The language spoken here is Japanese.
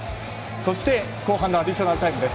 そして後半のアディショナルタイムです。